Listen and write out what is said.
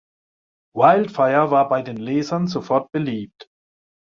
Wildfire war bei den Lesern sofort beliebt.